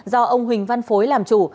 do ông huỳnh văn phối làm chủ